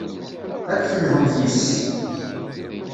Ad d-telhumt yes-s.